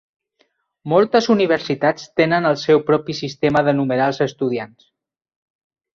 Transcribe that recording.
Moltes universitats tenen el seu propi sistema de numerar els estudiants.